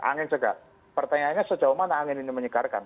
angin segar pertanyaannya sejauh mana angin ini menyegarkan